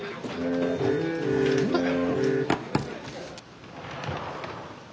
何だよ。